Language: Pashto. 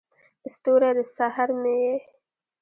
ستوری، د سحر مې یې